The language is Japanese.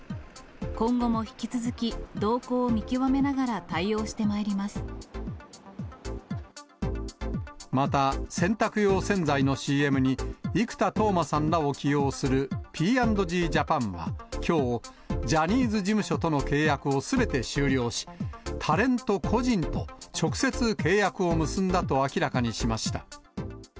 今後も引き続き、動向を見極めなまた、洗濯用洗剤のＣＭに生田斗真さんらを起用するＰ＆Ｇジャパンは、きょう、ジャニーズ事務所との契約をすべて終了し、タレント個人と直接契約を結んだと明らかにしました。